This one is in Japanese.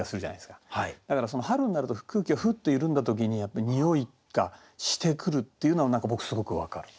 だから春になると空気がふっと緩んだ時にやっぱりにおいがしてくるっていうのは何か僕すごく分かる。